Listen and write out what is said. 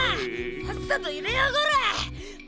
さっさと入れやがれ！